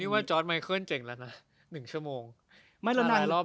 นี่ว่าจอร์ทมายเคิลเจ๋งแล้วล่ะ๑ชั่วโมง